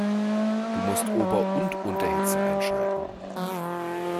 Du musst Ober- und Unterhitze einschalten.